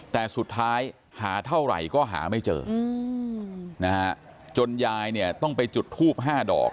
แต่สุดท้ายหาเท่าไหร่ก็หาไม่เจอนะฮะจนยายเนี่ยต้องไปจุดทูป๕ดอก